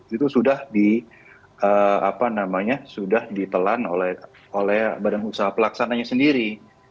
itu sudah ditelan oleh badan usaha pelaksananya sendiri